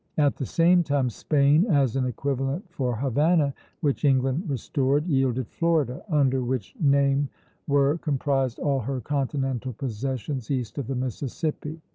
At the same time Spain, as an equivalent for Havana, which England restored, yielded Florida, under which name were comprised all her continental possessions east of the Mississippi.